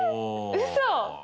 うそ？